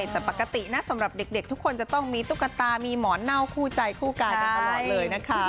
แต่ปกตินะสำหรับเด็กทุกคนจะต้องมีตุ๊กตามีหมอนเน่าคู่ใจคู่กายกันตลอดเลยนะคะ